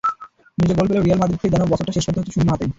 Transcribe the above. নিজে গোল পেলেও রিয়াল মাদ্রিদকে যেমন বছরটা শেষ করতে হচ্ছে শূন্য হাতেই।